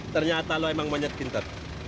ternyata lo emang monyet pinter